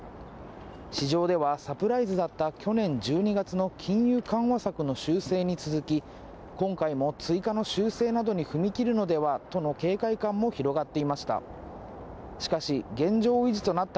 市場ではサプライズだった去年１２月の金融緩和策の修正に続き、今回も追加の修正などに踏み切るのではとの警戒感も広がっていました。